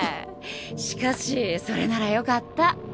しかしそれならよかった。